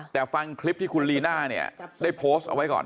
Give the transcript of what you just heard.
แต่ฟังคลิปที่คุณลีน่าเนี่ยได้โพสต์เอาไว้ก่อน